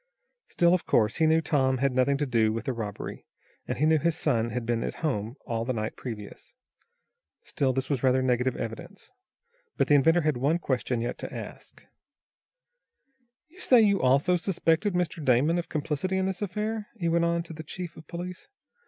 Still, of course, he knew Tom had nothing to do with the robbery, and he knew his son had been at home all the night previous. Still this was rather negative evidence. But the inventor had one question yet to ask. "You say you also suspect Mr. Damon of complicity in this affair?" he went on, to the chief of police.